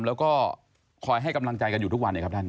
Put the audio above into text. แล้วก็คอยให้กำลังใจกันอยู่ทุกวัน